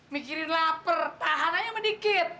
mikirin lapar tahan aja sedikit